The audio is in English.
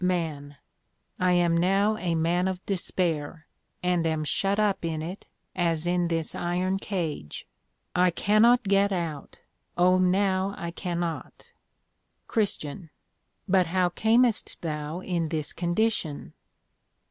MAN. I am now a man of Despair, and am shut up in it, as in this Iron Cage. I cannot get out; O now I cannot. CHR. But how camest thou in this condition?